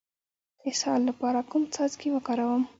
د اسهال لپاره کوم څاڅکي وکاروم؟